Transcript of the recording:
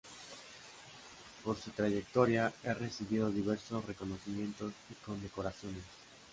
Por su trayectoria ha recibido diversos reconocimientos y condecoraciones.